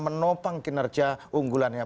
menopang kinerja unggulannya